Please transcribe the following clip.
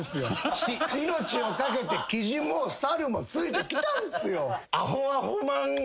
命を懸けてキジも猿もついてきたんすよ！